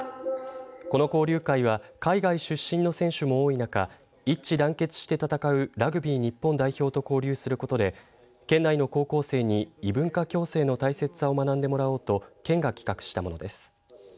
この交流会は海外出身の選手も多い中一致団結して戦うラグビー日本代表と交流することで県内の高校生に異文化共生の大切さを学んでもらおうと県が企画したものです。